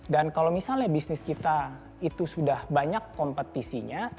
dan kalau misalnya bisnis kita itu sudah banyak kompetisinya